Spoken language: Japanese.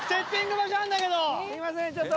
すいませんちょっと。